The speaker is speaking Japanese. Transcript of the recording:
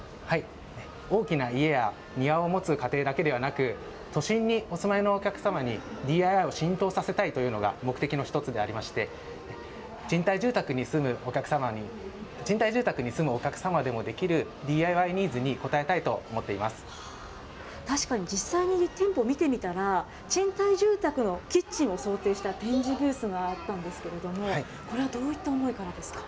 大きな家や庭を持つ家庭だけではなく、都心にお住まいのお客様に、ＤＩＹを浸透させたいというのが目的の一つでありまして、賃貸住宅に住むお客様に、賃貸住宅に住むお客様でもできるＤＩＹニーズに応えたいと思って確かに実際に店舗見てみたら、賃貸住宅のキッチンを想定した展示ブースがあったんですけれども、これはどういった思いからですか？